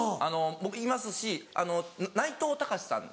僕いますしあの内藤剛志さん。